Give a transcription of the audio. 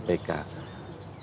untuk merevisi undang undang kpk